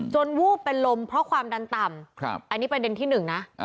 วูบเป็นลมเพราะความดันต่ำอันนี้ประเด็นที่หนึ่งนะ